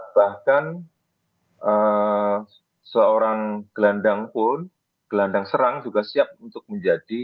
bahkan seorang gelandang pun gelandang serang juga siap untuk menjadi